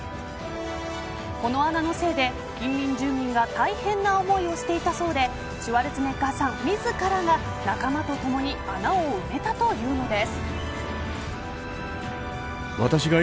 この穴のせいで近隣住民が大変な思いをしていたそうでシュワルツェネッガーさん自らが仲間とともに穴を埋めたというのです。